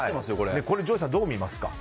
ＪＯＹさん、どう見ますか？